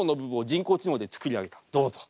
どうぞ。